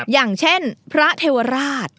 อย่างเช่นพระเทวราช